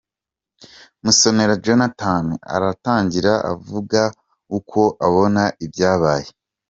Musonera Jonathan, aratangira avuga uko abona ibyabaye.